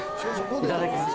いただきます。